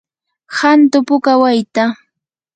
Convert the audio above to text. hantu puka wayta.